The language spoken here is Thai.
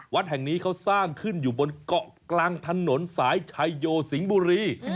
วัดแห่งนี้เขาสร้างขึ้นอยู่บนเกาะกลางถนนสายชายโยสิงห์บุรี